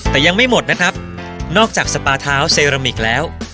แต่ยังไม่หมดนะครับนอกจากสปาเท้าเซรามิกแล้ว